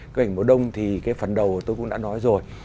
cái phần đầu tôi cũng đã nói rồi